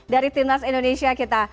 dari timnas indonesia kita